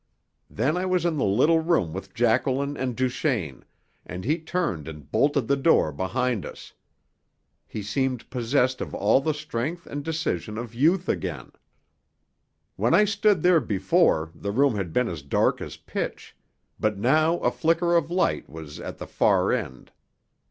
Then I was in the little room with Jacqueline and Duchaine, and he turned and bolted the door behind us. He seemed possessed of all the strength and decision of youth again. When I stood there before the room had been as dark as pitch, but now a flicker of light was at the far end.